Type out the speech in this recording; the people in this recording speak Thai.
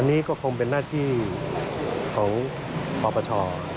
อันนี้ก็คงเป็นหน้าที่ของปปช